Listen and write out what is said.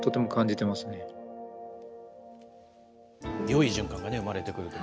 よい循環が生まれてくると。